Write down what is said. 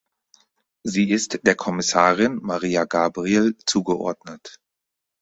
Sie ist der Kommissarin Marija Gabriel zugeordnet.